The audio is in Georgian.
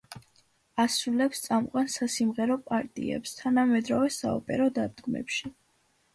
ასრულებს წამყვან სასიმღერო პარტიებს თანამედროვე საოპერო დადგმებში.